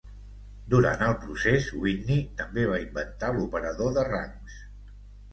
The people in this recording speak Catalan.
Durant el procés, Whitney també va inventar l'operador de rangs.